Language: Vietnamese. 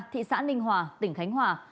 thị xã ninh hòa tỉnh khánh hòa